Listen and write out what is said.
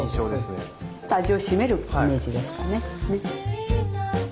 ちょっと味を締めるイメージですかね。